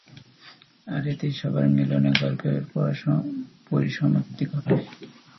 আর এতেই সবার মিলনে গল্পের পরিসমাপ্তি ঘটে।